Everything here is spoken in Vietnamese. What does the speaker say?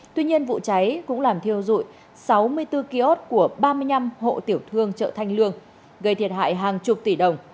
tuy nhiên vụ cháy cũng làm thiêu dụi sáu mươi bốn kiosk của ba mươi năm hộ tiểu thương chợ thanh lương gây thiệt hại hàng chục tỷ đồng